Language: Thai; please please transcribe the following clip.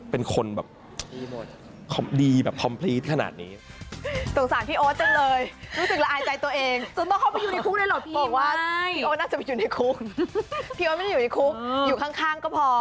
พี่โอ๊ดไม่ได้อยู่ในคุกอยู่ข้างก็พอ